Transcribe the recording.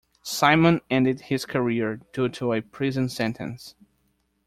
Simon ended his career due to a prison sentence.